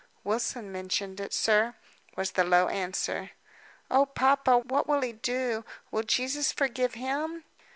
"Wilson mentioned it, sir," was the low answer. "Oh, papa! What will he do? Will Jesus forgive him?"